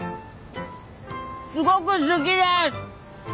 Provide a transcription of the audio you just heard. すごく好きです！